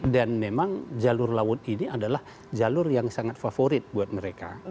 dan memang jalur laut ini adalah jalur yang sangat favorit buat mereka